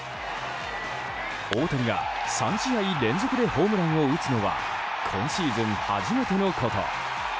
大谷が３試合連続でホームランを打つのは今シーズン初めてのこと。